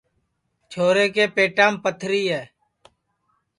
چھورے کے پِتیم پتھری ہے